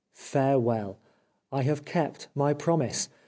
Farewell ! I have kept my promise.